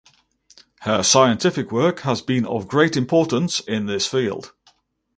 Her scientific work has been of great importance in this field.